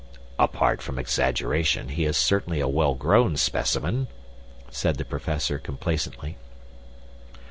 "Apart from exaggeration, he is certainly a well grown specimen," said the Professor, complacently.